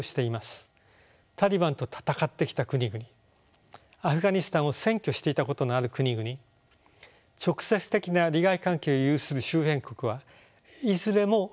タリバンと戦ってきた国々アフガニスタンを占拠していたことのある国々直接的な利害関係を有する周辺国はいずれも歴史を引きずっています。